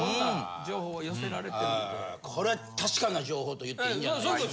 これ確かな情報といっていいんじゃないでしょうか。